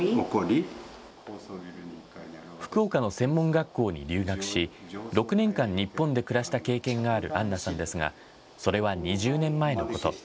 福岡の専門学校に留学し、６年間、日本で暮らした経験があるアンナさんですが、それは２０年前のこと。